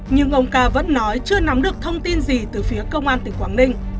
nhưng ông ca vẫn nói chưa nắm được thông tin gì từ phía công an tỉnh quảng ninh